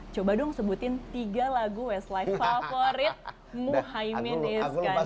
coba dong sebutin tiga lagu westlife favorit muhaymin iskandar